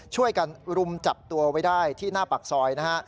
ช่วยกันรุมจับตัวไว้ได้ที่หน้าปากซอยนะฮะ